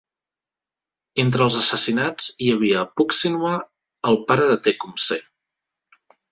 Entre els assassinats hi havia Pucksinwah, el pare de Tecumseh.